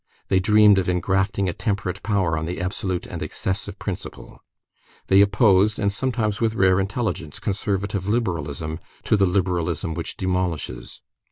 They dreamed of engrafting a temperate power on the absolute and excessive principle. They opposed, and sometimes with rare intelligence, conservative liberalism to the liberalism which demolishes.